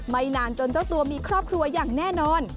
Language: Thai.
ไม่นานจนเจ้าตัวมีครอบครัวอย่างแน่นอน